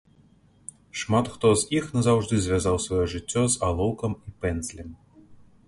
Шмат хто з іх назаўжды звязаў сваё жыццё з алоўкам і пэндзлем.